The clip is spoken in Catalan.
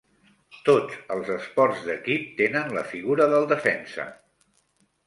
Tots els esports d'equip tenen la figura del defensa.